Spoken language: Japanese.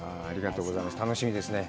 楽しみですね。